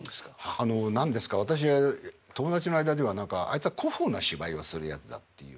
あの何ですか私友達の間では何かあいつは古風な芝居をするやつだっていう。